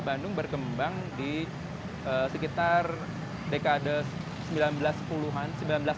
bandung berkembang di sekitar dekade seribu sembilan ratus sepuluh an seribu sembilan ratus lima belas seribu sembilan ratus dua puluh